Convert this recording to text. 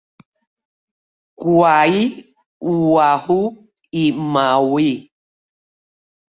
Kauai, Oahu i Maui.